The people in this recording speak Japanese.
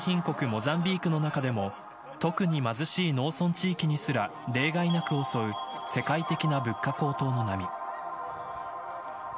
モザンビークの中でも特に貧しい農村地域にすら例外なく襲う世界的な物価高騰の波。